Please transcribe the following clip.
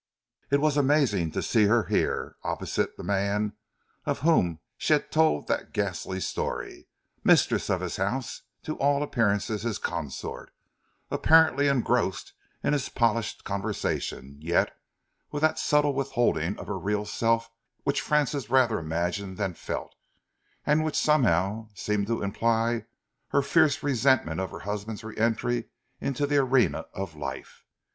It was amazing to see her here, opposite the man of whom she had told him that ghastly story, mistress of his house, to all appearance his consort, apparently engrossed in his polished conversation, yet with that subtle withholding of her real self which Francis rather imagined than felt, and which somehow seemed to imply her fierce resentment of her husband's re entry into the arena of life.